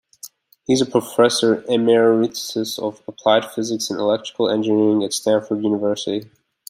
He is a professor emeritus of Applied Physics and Electrical Engineering at Stanford University.